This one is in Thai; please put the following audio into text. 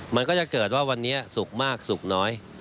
มันก็จะเกิดว่าวันนี้สุกมากสุกน้อย